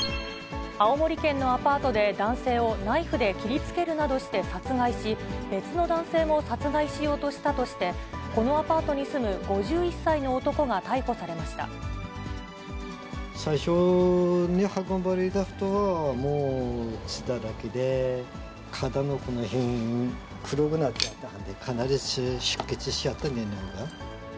青森県のアパートで男性をナイフで切りつけるなどして殺害し、別の男性も殺害しようとしたとして、このアパートに住む５１歳の最初に運ばれた人はもう、血だらけで、肩のこの辺、黒くなってたから、かなり出血しちゃったんじゃねぇか。